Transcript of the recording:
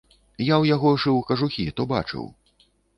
Я ў яго шыў кажухі, то бачыў.